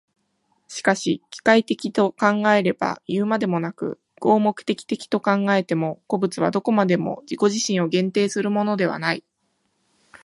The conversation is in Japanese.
しかし機械的と考えればいうまでもなく、合目的的と考えても、個物はどこまでも自己自身を限定するものではない。